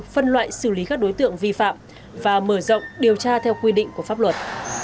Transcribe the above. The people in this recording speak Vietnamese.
phân loại xử lý các đối tượng vi phạm và mở rộng điều tra theo quy định của pháp luật